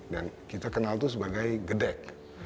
dan kita kenal itu sebagai gedek